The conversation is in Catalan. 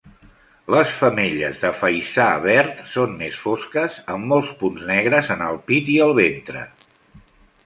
Les femelles de Faisà verd són més fosques, amb molts punts negres en el pit i el ventre.